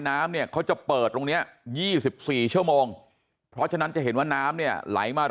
น้ำเนี่ยเขาจะเปิดตรงนี้๒๔ชั่วโมงเพราะฉะนั้นจะเห็นว่าน้ำเนี่ยไหลมา